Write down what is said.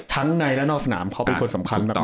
ทั้งในและนอกสนามเขาเป็นคนสำคัญมาก